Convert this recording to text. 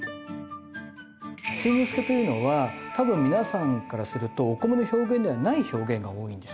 新之助というのは多分皆さんからするとお米の表現ではない表現が多いんです。